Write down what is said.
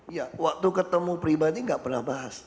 iya waktu ketemu pribadi gak pernah bahas